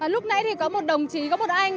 lúc này thì có một đồng chí có một anh